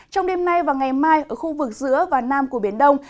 trong đêm nay và ngày mai ở khu vực giữa và nam của biển đông